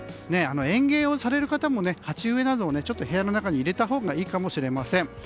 園芸をされる方も鉢植えなどを部屋の中に入れたほうがいいかもしれません。